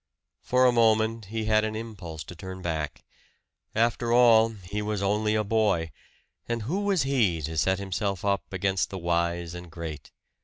For a moment he had an impulse to turn back. After all, he was only a boy; and who was he, to set himself up against the wise and great?